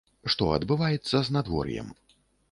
Што адбываецца з надвор'ем?